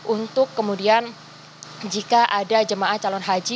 untuk kemudian jika ada jemaah calon haji